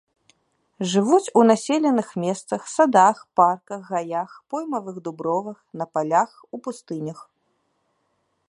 Жывуць у населеных месцах, садах, парках, гаях, поймавых дубровах, на палях, у пустынях.